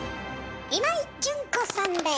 今井純子さんです。